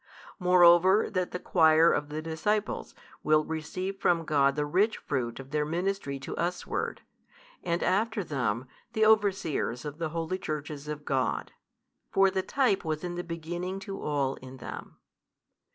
Moreover, that the choir of the disciples will receive from God the rich fruit of their ministry to usward, and after them, the overseers of the holy churches of God: for the type was in the beginning to all in them.